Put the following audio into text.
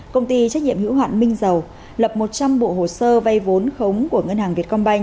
công ty trách nhiệm hữu hoạn minh dầu lập một trăm linh bộ hồ sơ vay vốn khống của ngân hàng việt công banh